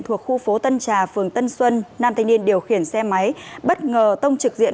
thuộc khu phố tân trà phường tân xuân nam thanh niên điều khiển xe máy bất ngờ tông trực diện